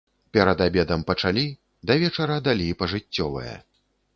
Перад абедам пачалі, да вечара далі пажыццёвае.